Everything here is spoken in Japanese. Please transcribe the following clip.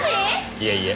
いえいえ。